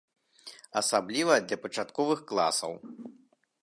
Асабліва для пачатковых класаў.